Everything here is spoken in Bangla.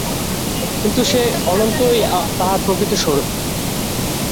কিন্তু সেই অনন্তই তাহার প্রকৃত স্বরূপ।